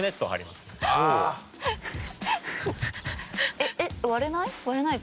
えっ？割れない？